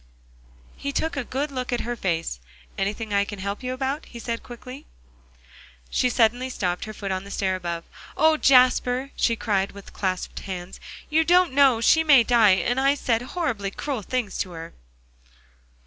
He took a good look at her face. "Anything I can help you about?" he asked quickly. She suddenly stopped, her foot on the stair above. "Oh, Jasper!" she cried, with clasped hands, "you don't know she may die, and I said horribly cruel things to her."